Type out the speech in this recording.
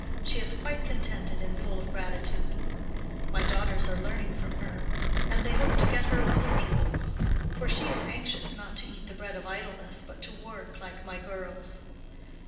She is quite contented and full of gratitude. My daughters are learning from her, and they hope to get her other pupils; for she is anxious not to eat the bread of idleness, but to work, like my girls.